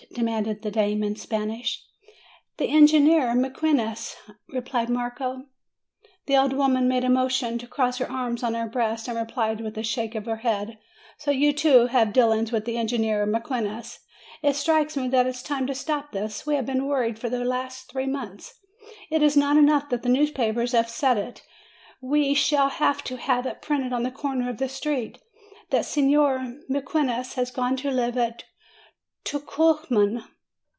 demanded the dame in Spanish. "The engineer Mequinez," replied Marco. The old woman made a motion to cross her arms on her breast, and replied, with a shake of the head : "So you, too, have dealings with the engineer Mequinez ! It strikes me that it is time to stop this. We have been worried for the last three months. It is not enough that the newspapers have said it. W T e shall have to have it printed on the corner of the street, that Signor Mequinez has gone to live at Tucuman!"